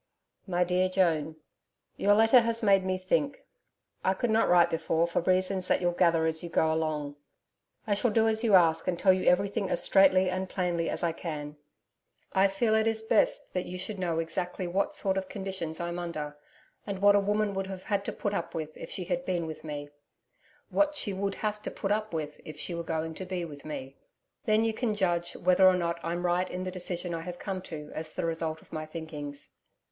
MY DEAR JOAN, Your letter has made me think. I could not write before for reasons that you'll gather as you go along. I shall do as you ask and tell you everything as straightly and plainly as I can. I feel it is best that you should know exactly the sort of conditions I'm under and what a woman would have had to put up with if she had been with me what she would have to put up with if she were going to be with me. Then you can judge whether or not I'm right in the decision I have come to as the result of my thinkings.